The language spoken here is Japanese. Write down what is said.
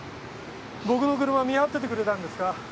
僕の車見張っててくれたんですか？